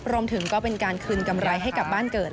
รวมถึงก็เป็นการคืนกำไรให้กลับบ้านเกิด